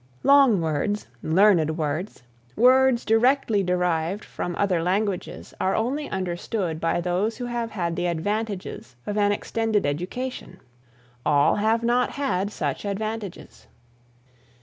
Long words, learned words, words directly derived from other languages are only understood by those who have had the advantages of an extended education. All have not had such advantages.